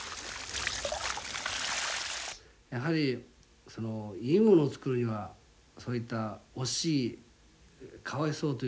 やはりいいものをつくるにはそういった惜しいかわいそうというのをね